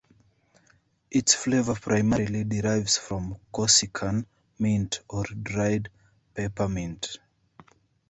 Its flavor primarily derives from Corsican mint or dried peppermint.